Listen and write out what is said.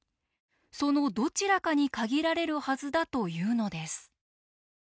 そのどちらかに限られるはずだというのです。